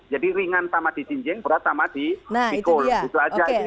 jadi ringan sama di jinjeng berat sama di sikul